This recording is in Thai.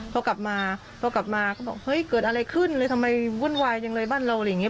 เขากลับมาเขาก็บอกเฮ้ยเกิดอะไรขึ้นทำไมวุ่นวายจังเลยบ้านเรา